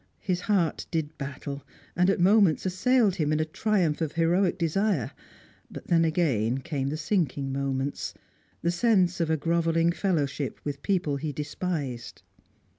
His heart did battle, and at moments assailed him in a triumph of heroic desire; but then again came the sinking moments, the sense of a grovelling fellowship with people he despised.